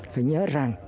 phải nhớ rằng